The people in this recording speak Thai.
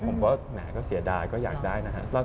ผมก็เสียดายก็อยากได้นะครับ